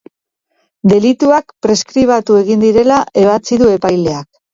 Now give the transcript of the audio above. Delituak preskribatu egin direla ebatzi du epaileak.